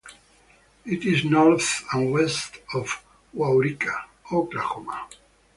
It is north and west of Waurika, Oklahoma.